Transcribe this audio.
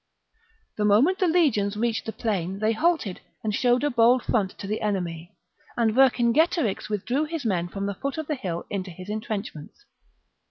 The moment the legions reached the plain they halted and showed a bold front to the enemy ; and Vercingetorix withdrew his men from the foot of the hill into his entrenchments.